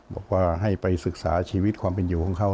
บอกว่าให้ไปศึกษาชีวิตความเป็นอยู่ของเขา